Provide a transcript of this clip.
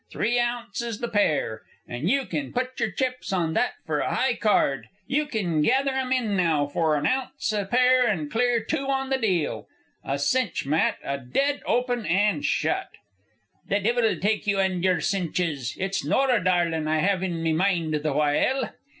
Three ounces the pair, an' you kin put your chips on that for a high card. You kin gather 'em in now for an ounce a pair and clear two on the deal. A cinch, Matt, a dead open an' shut." "The devil take you an' yer cinches! It's Nora darlin' I have in me mind the while."